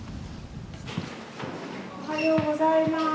おはようございます。